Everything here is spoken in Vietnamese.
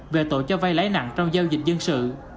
về tội cho vay lãi nặng trong giao dịch dân sự